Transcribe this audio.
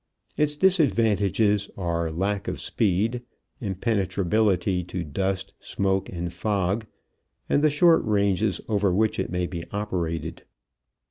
Its disadvantages are lack of speed, impenetrability to dust, smoke, and fog, and the short ranges over which it may be operated.